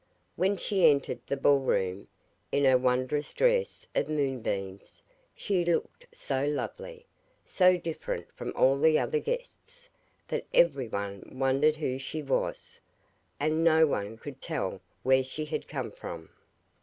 When she entered the ball room, in her wondrous dress of moon beams, she looked so lovely, so different from all the other guests, that everyone wondered who she was, and no one could tell where she had come from.